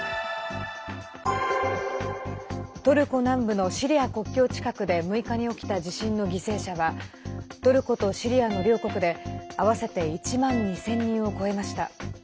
トルコ南部のシリア国境近くで６日に起きた地震の犠牲者はトルコとシリアの両国で合わせて１万２０００人を超えました。